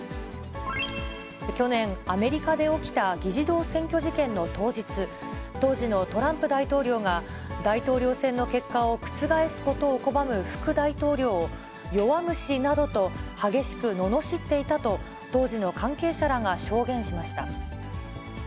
去年、アメリカで起きた議事堂占拠事件の当日、当時のトランプ大統領が、大統領選の結果を覆すことを拒む副大統領を、弱虫などと、激しくののしっていたと、当時の関係者らが証言しました。